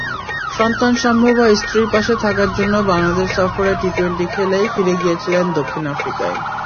সন্তানসম্ভবা স্ত্রীর পাশে থাকার জন্য বাংলাদেশ সফরে টি-টোয়েন্টি খেলেই ফিরে গিয়েছিলেন দক্ষিণ আফ্রিকায়।